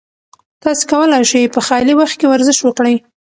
تاسي کولای شئ په خالي وخت کې ورزش وکړئ.